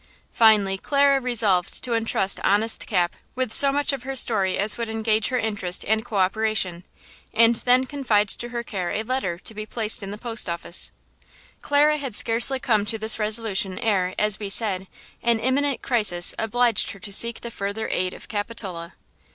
Finally, Clara resolved to entrust honest Cap with so much of her story as would engage her interest and co operation, and then confide to her care a letter to be placed in the post office. Clara had scarcely come to this resolution ere, as we said, an imminent crisis obliged her to seek the further aid of Capitola.